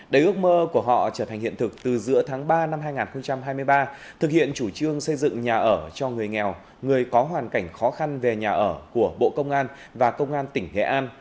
để ước mơ của họ trở thành hiện thực từ giữa tháng ba năm hai nghìn hai mươi ba thực hiện chủ trương xây dựng nhà ở cho người nghèo người có hoàn cảnh khó khăn về nhà ở của bộ công an và công an tỉnh nghệ an